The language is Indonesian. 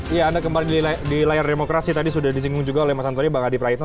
ya anda kembali di layar demokrasi tadi sudah disinggung juga oleh mas antoni bang adi praitno